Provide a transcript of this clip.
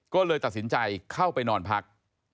ก็เลยตัดสินใจเข้าไปนอนพัก